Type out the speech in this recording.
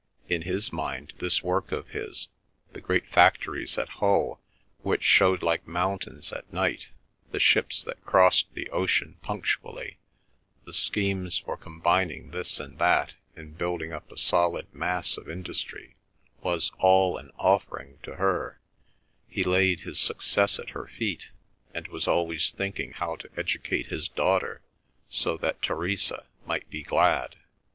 In his mind this work of his, the great factories at Hull which showed like mountains at night, the ships that crossed the ocean punctually, the schemes for combining this and that and building up a solid mass of industry, was all an offering to her; he laid his success at her feet; and was always thinking how to educate his daughter so that Theresa might be glad.